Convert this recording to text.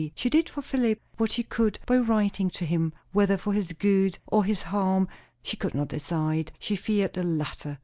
She did for Philip what she could by writing to him, whether for his good or his harm she could not decide. She feared the latter.